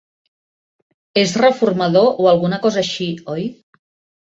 És reformador o alguna cosa així, oi?